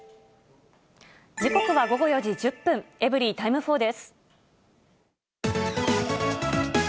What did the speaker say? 時刻は午後４時１０分、エブリィタイム４です。